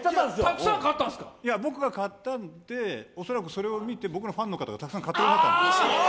ぼくが買ったんで、おそらくそれを見て僕のファンがたくさん買ってくださったんですよ。